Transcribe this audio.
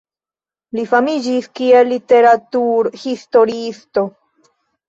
Li famiĝis kiel literaturhistoriisto.